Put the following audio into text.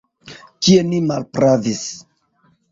Kie ni malpravis?